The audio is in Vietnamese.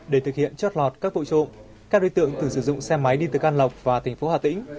để thực hiện chót lọt các vụ trộm các đối tượng từ sử dụng xe máy đi từ can lọc và tỉnh phố hà tĩnh